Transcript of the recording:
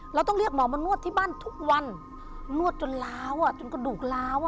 เราต้องเรียกหมอมานวดที่บ้านทุกวันนวดจนล้าวจนกระดูกล้าว